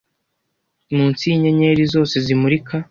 munsi yinyenyeri zose zimurika